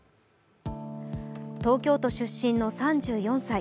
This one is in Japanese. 東京都出身の３４歳。